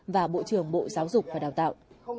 và bộ trưởng bộ giáo dục và đào tạo